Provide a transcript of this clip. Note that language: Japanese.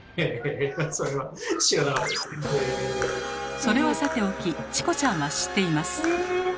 それはさておきチコちゃんは知っています。